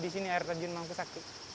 di sini air terjun mangkusakti